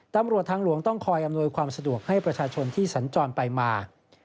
ตำรวจทางหลวงต้องคอยอำนวยความสะดวกให้ประชาชนที่สัญจรไปมา